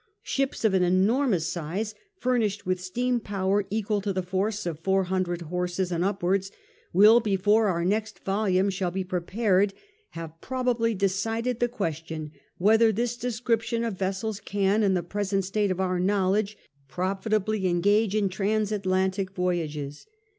Ships of an enormous size, furnished with steam power equal to the force of 400 horses and upwards, will, before our next volume shall be pre pared, have probably decided the question whether this description of vessels can, in the present state of our knowledge, profitably engage in Transatlantic voyages.